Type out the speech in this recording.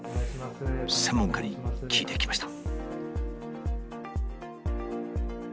専門家に聞いてきました。